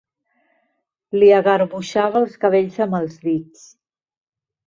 Li agarbuixava els cabells amb els dits.